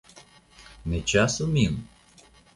Ne ĉasu min?